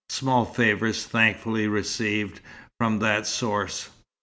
Small favours thankfully received from that source!"